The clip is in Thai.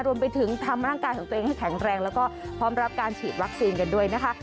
รวมไปถึงทำร่างกายของตัวเองให้แข็งแรงแล้วก็พร้อมรับการฉีดวัคซีนกันด้วยนะคะ